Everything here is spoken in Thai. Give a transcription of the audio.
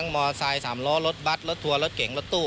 มอสไซค์สามรถรถบั๊ดรถถัวรถเก่งรถตู้